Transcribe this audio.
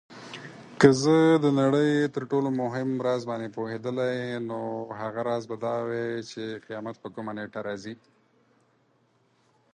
که زه د نړۍ تر ټولو مهم راز باندې پوهېدلای نو هغه راز به دا وای چې قيامت په کومه نېټه راځي